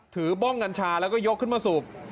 บ้องกัญชาแล้วก็ยกขึ้นมาสูบ